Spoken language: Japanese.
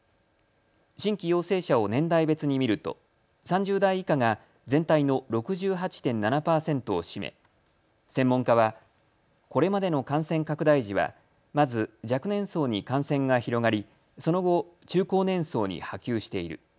新規陽性者を年代別に見ると３０代以下が全体の６８．７％を占め専門家はこれまでの感染拡大時はまず若年層に感染が広がりその後、中高年層に波及している。